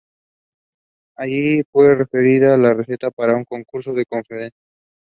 Allí fue refinada la receta para un concurso de confitería.